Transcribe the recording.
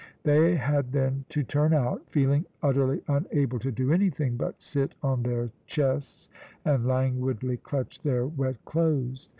They had then to turn out, feeling utterly unable to do anything but sit on their chests and languidly clutch their wet clothes.